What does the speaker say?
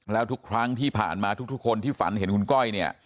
แล้วทุกครั้งที่ผ่านมาทุกคนที่ฝันเห็นคุณก้อยเนี่ย